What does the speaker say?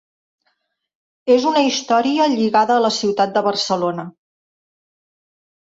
És una història lligada a la ciutat de Barcelona.